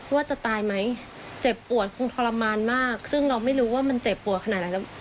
ว่าจะตายไหมเจ็บปวดคงทรมานมากซึ่งเราไม่รู้ว่ามันเจ็บปวดขนาดไหน